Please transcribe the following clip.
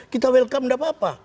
kita welcome tidak apa apa